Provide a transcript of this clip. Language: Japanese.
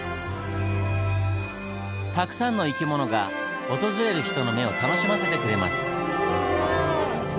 たくさんの生き物が訪れる人の目を楽しませてくれます。